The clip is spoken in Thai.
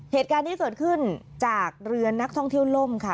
เหตุการณ์นี้เกิดขึ้นจากเรือนักท่องเที่ยวล่มค่ะ